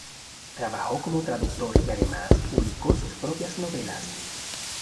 Trabajó como traductor y además publicó sus propias novelas.